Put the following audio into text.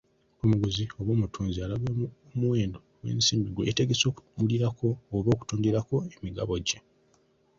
Omuguzi oba omutunzi alaga omuwendo gw'ensimbi gwe yeetegese okugulirako oba okutundirako emigabo gye.